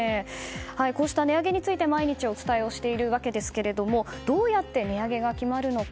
こうした値上げについて毎日お伝えしているわけですがどうやって値上げが決まるのか